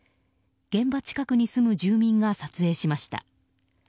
現場近くに住む住民が撮影しました。